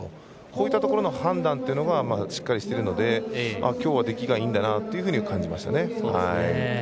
こういったところの判断がしっかりしてるのできょうは出来がいいんだなというふうに感じましたね。